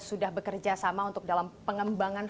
sudah bekerja sama untuk dalam pengembangan